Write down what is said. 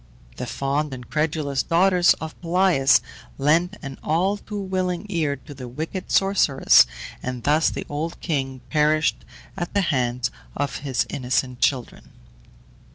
The fond and credulous daughters of Pelias lent an all too willing ear to the wicked sorceress, and thus the old king perished at the hands of his innocent children.